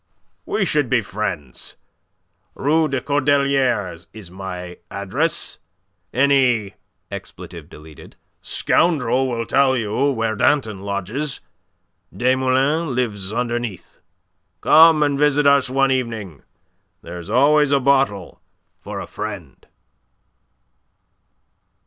We should be friends. Rue des Cordeliers is my address. Any scoundrel will tell you where Danton lodges. Desmoulins lives underneath. Come and visit us one evening. There's always a bottle for a friend."